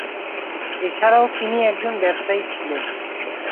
এছাড়াও তিনি একজন ব্যবসায়ী ছিলেন।